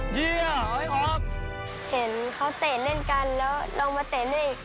เห็นเขาเตะเล่นกันแล้วลองมาเตะเล่นอีก